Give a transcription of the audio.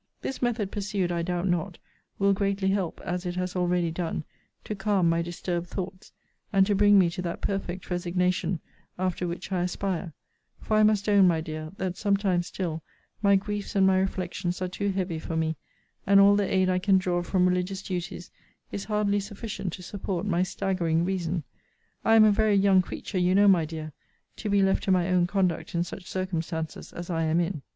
This method pursued, I doubt not, will greatly help, as it has already done, to calm my disturbed thoughts, and to bring me to that perfect resignation after which I aspire: for I must own, my dear, that sometimes still my griefs and my reflections are too heavy for me; and all the aid I can draw from religious duties is hardly sufficient to support my staggering reason. I am a very young creature you know, my dear, to be left to my own conduct in such circumstances as I am in.